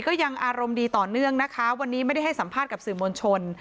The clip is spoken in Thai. ก็ยังอารมณ์ดีต่อเนื่องนะคะวันนี้ไม่ได้ให้สัมภาษณ์กับสื่อมวลชน